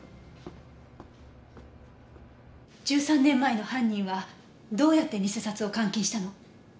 １３年前の犯人はどうやって偽札を換金したの？